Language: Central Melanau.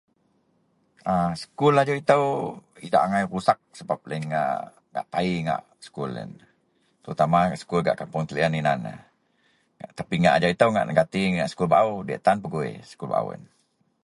. a skul ajau itou idak agai rusek sebab loyien ngak taie ngak skul ien, terutama gak skul kapoung inan, tapi ajau itou ngak neganti ngak skul baau, diak tan pegui skul baau ien